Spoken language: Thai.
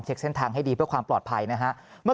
เช็คเส้นทางให้ดีเพื่อความปลอดภัยนะฮะ